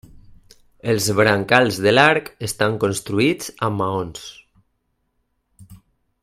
Els brancals de l'arc estan construïts amb maons.